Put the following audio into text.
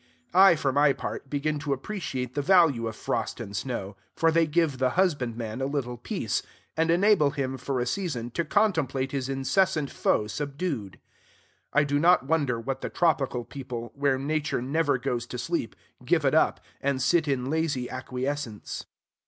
I, for my part, begin to appreciate the value of frost and snow; for they give the husbandman a little peace, and enable him, for a season, to contemplate his incessant foe subdued. I do not wonder that the tropical people, where Nature never goes to sleep, give it up, and sit in lazy acquiescence.